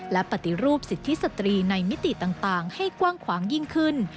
และปฏิรูปสิทธิสตรีในมิติต่างให้กว้างขวางยิ่งขึ้น